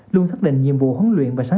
luôn xác định nhiệm vụ hấn luyện của tổ quốc